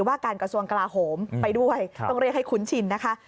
ว่าการกระทรวงกลาโหมไปด้วยต้องเรียกให้คุ้นชินนะคะ